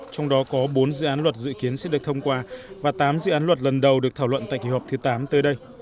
trong đó có bốn dự án luật dự kiến sẽ được thông qua và tám dự án luật lần đầu được thảo luận tại kỳ họp thứ tám tới đây